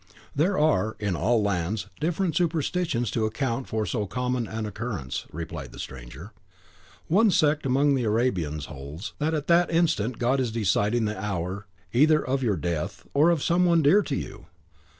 "There are in all lands different superstitions to account for so common an occurrence," replied the stranger: "one sect among the Arabians holds that at that instant God is deciding the hour either of your death, or of some one dear to you.